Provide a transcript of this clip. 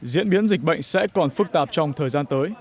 diễn biến dịch bệnh sẽ còn phức tạp trong thời gian tới